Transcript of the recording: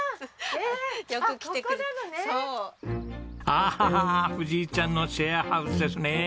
アハハハ藤井ちゃんのシェアハウスですね。